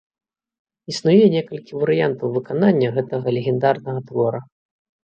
Існуе некалькі варыянтаў выканання гэтага легендарнага твора.